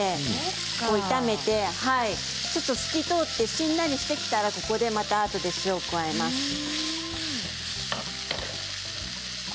炒めてちょっと透き通ってしんなりしてきたら、ここでまた塩を加えます。